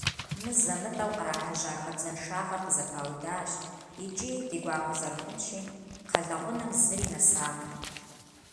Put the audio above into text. Мызэ-мытӀэу кърахьэжьа хабзэншагъэр къызэпаудащ, икӀи, ди гуапэ зэрыхъунщи, кхъэлъэгъунэм зыри нэсакъым.